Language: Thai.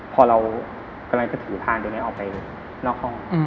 พอเรากำลังจะถือพานตัวนี้ออกไปนอกห้อง